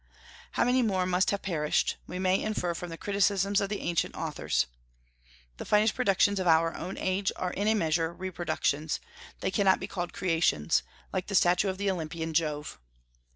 How many more must have perished, we may infer from the criticisms of the ancient authors. The finest productions of our own age are in a measure reproductions; they cannot be called creations, like the statue of the Olympian Jove.